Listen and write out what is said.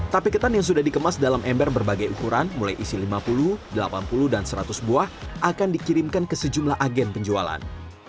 tape ketan yang sudah dikemas dalam ember berbagai ukuran mulai isi lima puluh delapan puluh dan seratus buah akan dikirimkan ke sejumlah agen penjualan